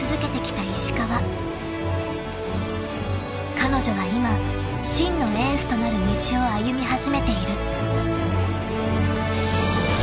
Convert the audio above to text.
［彼女は今真のエースとなる道を歩み始めている］